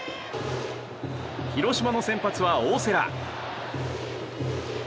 広島の先発は大瀬良。